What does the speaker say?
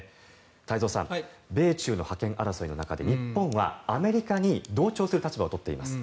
太蔵さん、米中の覇権争いの中で日本はアメリカに同調する立場を取っています。